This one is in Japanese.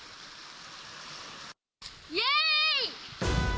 イエーイ！